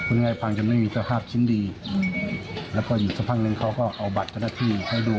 ง่ายพังจนไม่มีสภาพชิ้นดีแล้วก็อีกสักพักนึงเขาก็เอาบัตรเจ้าหน้าที่ให้ดู